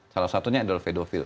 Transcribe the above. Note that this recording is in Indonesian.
salah satunya adalah fedofil